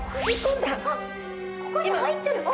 あっここにも入ってる！